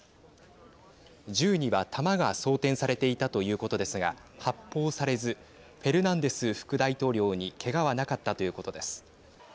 銃には弾が装填されていたということですが発砲されずフェルナンデス副大統領にけがはなかったということです。